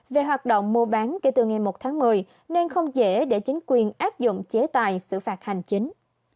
về hoạt động mua bán kể từ ngày một tháng một mươi nên không dễ để chính quyền áp dụng chế tài xử phạt hành chính